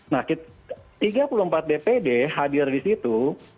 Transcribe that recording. nah tiga puluh empat dpd hadir di situ